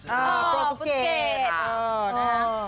โบตุกิจ